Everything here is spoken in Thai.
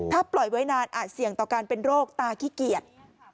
ถ้าปล่อยไว้นานอาจเสี่ยงต่อการเป็นโรคตาขี้เกียจ